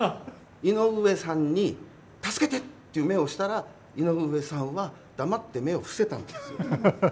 井上さんに助けてっていう目をしたら、井上さんは黙って目を伏せた。